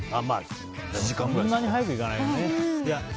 そんなに早く行かないけどね。